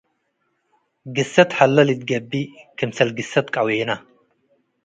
ግሰት ሀለ ልትገብእ ክምሰል ግሰት ቀዌነ